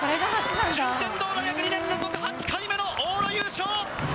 順天堂大学２年連続８回目の往路